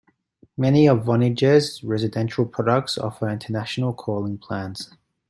Many of Vonage's residential products offer international calling plans.